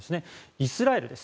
イスラエルです。